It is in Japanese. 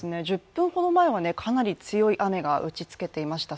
１０分ほど前はかなり強い雨が打ちつけていました。